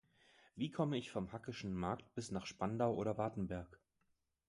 Wie komme ich vom Hackeschen Markt bis nach Spandau oder Wartenberg?